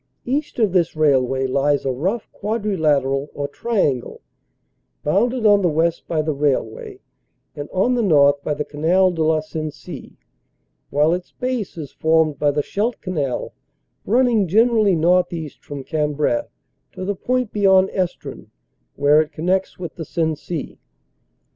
East of this railway lies a rough quadrilateral or triangle, bounded on the west by the railway and on the north by the Canal de la Sensee, while its base is formed by the Scheldt Canal running generally north east from Cambrai to the point beyond Estrun where it con nects with the Sensee.